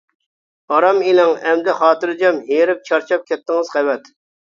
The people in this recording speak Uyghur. ئارام ئېلىڭ ئەمدى خاتىرجەم، ھېرىپ-چارچاپ كەتتىڭىز قەۋەت.